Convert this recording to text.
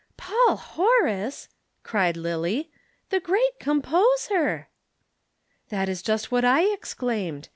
'" "Paul Horace," cried Lillie. "The great composer!" "That is just what I exclaimed.